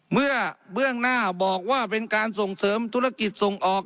เบื้องหน้าบอกว่าเป็นการส่งเสริมธุรกิจส่งออก